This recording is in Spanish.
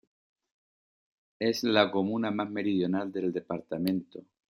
Es la comuna más meridional del departamento.